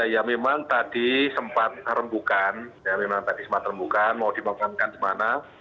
ya memang tadi sempat rembukan memang tadi sempat rembukan mau dimakamkan kemana